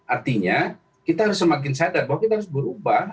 artinya kita harus semakin sadar bahwa kita harus berubah